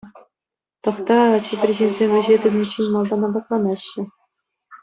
Тӑхта, чипер ҫынсем ӗҫе тытӑниччен малтан апатланаҫҫӗ.